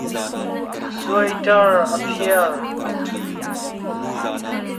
Suaiṭar a phiar.